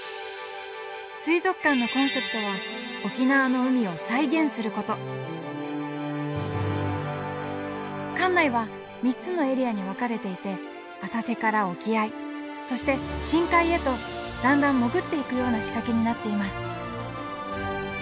水族館のコンセプトは沖縄の海を再現すること館内は３つのエリアに分かれていて浅瀬から沖合そして深海へとだんだん潜っていくような仕掛けになっています。